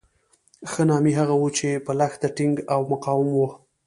ښه نامي هغه وو چې په لښته ټینګ او مقاوم وو.